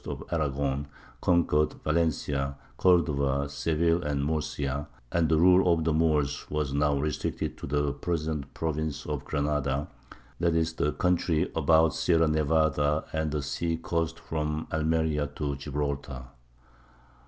of Aragon conquered Valencia, Cordova, Seville, and Murcia; and the rule of the Moors was now restricted to the present province of Granada, i.e., the country about the Sierra Nevada and the sea coast from Almeria to Gibraltar.